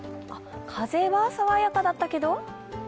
風は爽やかだったけど？